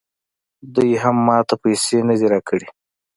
دوی هم ماته پیسې نه دي راکړي